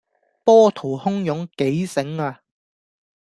波濤洶湧幾醒呀